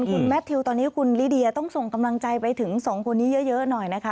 คุณแมททิวตอนนี้คุณลิเดียต้องส่งกำลังใจไปถึงสองคนนี้เยอะหน่อยนะคะ